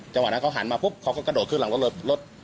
จังหวะนั้นเขาหันมาปุ๊บเขาก็กระโดดขึ้นหลังรถ